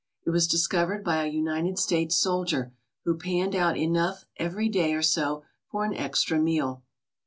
It was discovered by a United States soldier, who panned out enough every day or so for an extra meal.